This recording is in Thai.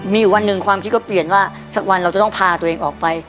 มีอยู่วันหนึ่งความคิดก็เปลี่ยนว่าสักวันเราจะต้องพาตัวเองออกไป